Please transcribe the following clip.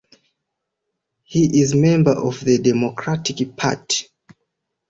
He is member of the Democratic Party.